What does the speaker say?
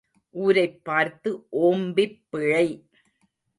ஊரைப் பார்த்து ஓம்பிப் பிழை.